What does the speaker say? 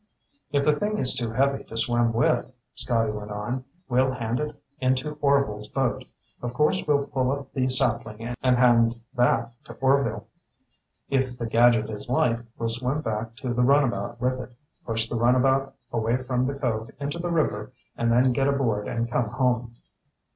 "If the thing is too heavy to swim with," Scotty went on, "we'll hand it into Orvil's boat. Of course we'll pull up the sapling and hand that to Orvil. If the gadget is light, we'll swim back to the runabout with it, push the runabout away from the cove into the river, and then get aboard and come home."